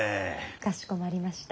かしこまりました。